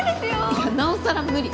いやなおさら無理。